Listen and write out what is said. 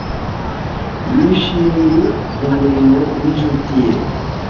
Yishimiye umurimo w'inshuti ye.